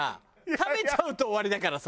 食べちゃうと終わりだからさ。